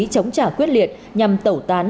chúng trả quyết liệt nhằm tẩu tán